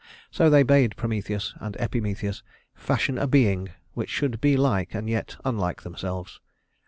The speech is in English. So they bade Prometheus and Epimetheus fashion a being which should be like and yet unlike themselves.